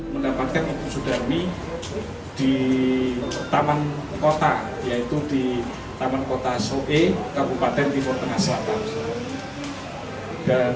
mendapatkan ibu sudami di taman kota yaitu di taman kota soe kaupaten timur tengah selatan